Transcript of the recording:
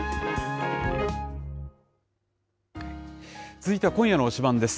続いては今夜の推しバン！です。